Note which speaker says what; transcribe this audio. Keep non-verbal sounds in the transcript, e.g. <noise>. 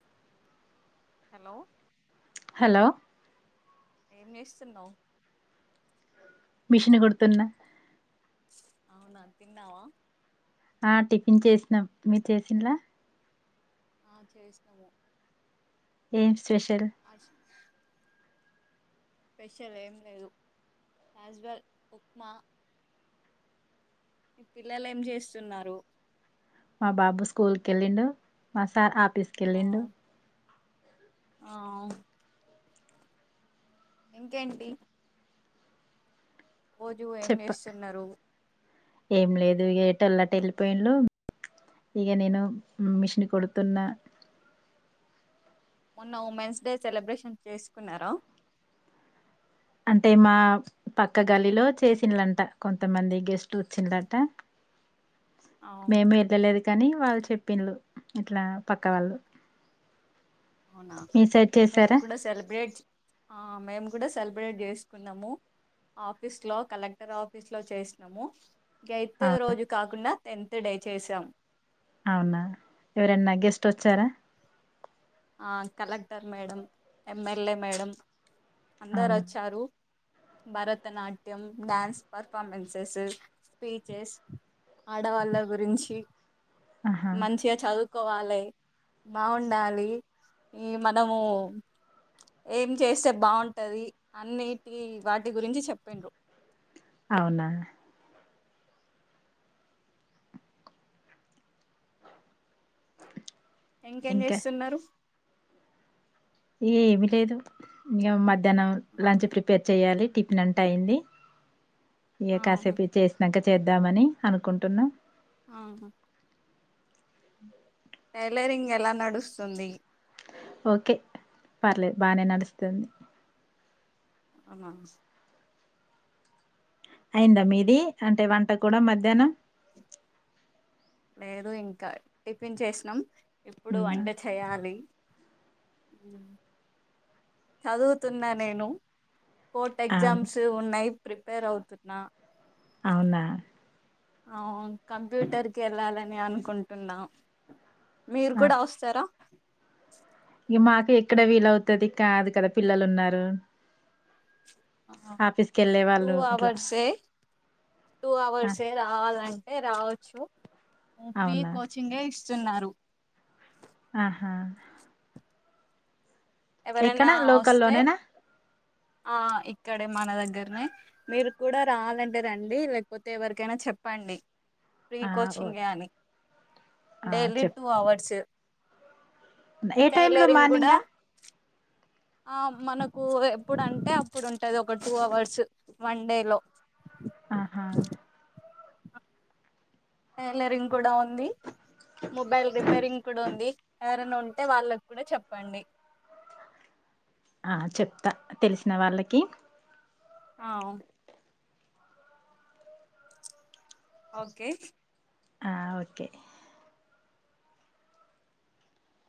Speaker 1: hello
Speaker 2: hello
Speaker 1: ఏం చేస్తున్నావు
Speaker 2: machine కుడుతున్న
Speaker 1: అవునా తిన్నావా
Speaker 2: ఆ టిఫిన్ చేసినం మీరు చేసిలా
Speaker 1: ఆ చేసినము
Speaker 2: ఏం స్పెషల్
Speaker 1: అ స్పెషల్ ఏం లేదు యాజ్ వెల్ ఉప్మా మీ పిల్లలు ఏం చేస్తున్నారు
Speaker 2: మా బాబు స్కూల్ కు వెళ్ళిండు మా సార్ ఆఫీస్కి
Speaker 1: ఆ
Speaker 2: వెళ్ళిండు
Speaker 1: ఆ ఇంకేంటి రోజు ఏం
Speaker 2: చెప్ప
Speaker 1: చేస్తున్నారు
Speaker 2: ఏం లేదు ఇక ఎటోలు అట వెళ్ళిపోయింలు ఇగ నేను మిషన్ కుడుతున్న
Speaker 1: మొన్న ఉమెన్స్ డే సెలబ్రేషన్ చేసుకున్నారా
Speaker 2: అంటే మా పక్క గల్లిలో చేసినలంట కొంతమంది గెస్ట్ వచ్చిలట
Speaker 1: ఆ
Speaker 2: మేము <unintelligible> కానీ వాళ్ళు చెప్పిలు ఇట్లా పక్క వాళ్ళు
Speaker 1: అవునా
Speaker 2: మీ సైడ్
Speaker 1: మేము
Speaker 2: చేసారా
Speaker 1: కూడా సెలబ్రేట్ మేము కూడా సెలబ్రేట్ చేసుకున్నాము ఆఫీస్ లో కలెక్టర్ ఆఫీస్ లో చేసినము ఎయిత్
Speaker 2: అవునా
Speaker 1: రోజు కాకుండా టెన్త్ డే చేసాం
Speaker 2: అవునా ఎవరన్నా గెస్ట్ వచ్చారా
Speaker 1: ఆ కలెక్టర్ మేడం ఎమ్ఎల్ఏ మేడం అందరు
Speaker 2: అవునా
Speaker 1: వచ్చారు భరతనాట్యం డాన్స్ పర్ఫార్మెన్సెస్ స్పీచెస్ ఆడవాళ్ళ గురించి
Speaker 2: ఆహా
Speaker 1: మంచిగా చదువుకోవాలి బాగుండాలి ఈ మనము ఏం చేస్తే బాఉంటది అన్నిటి వాటి గురించి చెపిండ్రు
Speaker 2: అవ్ నా
Speaker 1: ఇంకేం
Speaker 2: ఇంకా
Speaker 1: చేస్తుంనరు
Speaker 2: ఏమి లేదు ఇన్ గ మధ్యానం
Speaker 1: ఆ
Speaker 2: లంచు ప్రిపేర్ చెయాలి టిఫ్ నంటయింది ఇ
Speaker 1: ఆ
Speaker 2: కాసపు చేసినంక చేద్దామని అనుకుంటున్నా
Speaker 1: ఆహ టైలరింగ్ ఎలా నడుస్తుంది
Speaker 2: ఓకే పర్లే బానే నడుస్తుంది
Speaker 1: అవ్ నా
Speaker 2: ఐద మీది అంటే వంట కూడా మధ్యానం
Speaker 1: లేదు ఇంకా టిఫిన్ చేశ్ నం ఇప్పుడు
Speaker 2: ఉమ్,
Speaker 1: వంట చేయ్యలి ఇంగ <unintelligible> చదువుతున్నా నేను కోర్ట్
Speaker 2: అవును
Speaker 1: ఎగ్జామ్స్ ఉనయి ప్రిపేర్ అవ్ తున్నా
Speaker 2: ఔవునా
Speaker 1: ఔన్ కంప్యూటర్ కి ఎళ్ళాలని అనుకుంటుంన్న మీర్ కూడ వోస్తారా
Speaker 2: ఇగ మాకి ఎక్కడ వీలవుతది కాదు కదా పిల్లలున్నారు
Speaker 1: అహ టూ అవర్సే టూ
Speaker 2: ఆ,
Speaker 1: అవర్సే రావా అఆ లంట్ ఏ రావోచ్చు హ్మ్ ఫ్రీ
Speaker 2: అవునా
Speaker 1: కోచింగే ఇస్ స్తున్నారు
Speaker 2: ఆహా
Speaker 1: ఎవరన్న
Speaker 2: ఎక్కడ
Speaker 1: వోస్తే
Speaker 2: లోకల్లోనేనా
Speaker 1: ఆ ఇక్కడే మన దగ్గర్ నే మీరు కూడా రాఅ లంటే రండి లేక్ పోతే ఎవరికైనా చెప్ చెప్పండి ప్ర్రీ
Speaker 2: ఆ, ఓ
Speaker 1: కోచింగ్య అని
Speaker 2: ఆ,
Speaker 1: డేలీ
Speaker 2: చెప్
Speaker 1: టూ అవర్సు
Speaker 2: ఏ టైమ్ లో
Speaker 1: టైలరింగ్ గుడ
Speaker 2: మార్నింగా
Speaker 1: ఆ మనకు ఎప్పుడు అంటే అప్పుడు ఉంటది ఒక టూ అవర్స్ వన్ డే లో
Speaker 2: ఆహా
Speaker 1: టైలరింగ్ కూడా ఉంది మొబైల్ రిపేరింగ్ కుడ ఉంది అట్ ఎదన్ ఉంటే వాళ్ళక్ కుడ చెప్పండి
Speaker 2: ఆ చెప్ త తెల్ సిన్ వాళ్ళకి
Speaker 1: ఔ ఓకే
Speaker 2: ఆ ఓకే